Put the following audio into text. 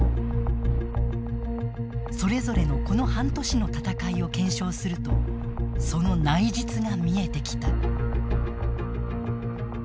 それぞれのこの半年の戦いを検証するとその内実が見えてきた。